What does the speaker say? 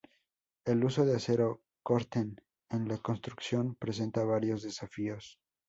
El uso de Acero Cor-ten en la construcción presenta varios desafíos.